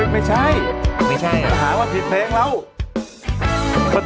ไม่ใช่หาว่าผิดเพลงแล้ว